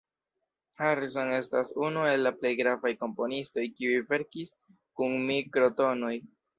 Harrison estas unu el la plej gravaj komponistoj kiuj verkis kun mikro-tonoj.